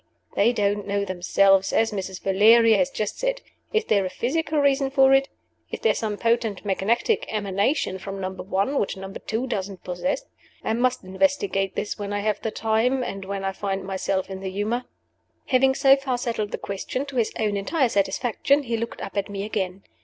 They don't know themselves as Mrs. Valeria has just said! Is there a physical reason for it? Is there some potent magnetic emanation from Number One which Number Two doesn't possess? I must investigate this when I have the time, and when I find myself in the humor." Having so far settled the question to his own entire satisfaction, he looked up at me again.